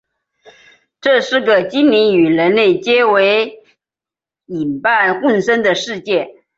这是个精灵与人类结为夥伴共生的世界。